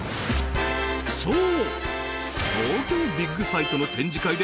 そう！